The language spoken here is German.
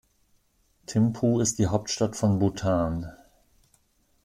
Thimphu ist die Hauptstadt von Bhutan.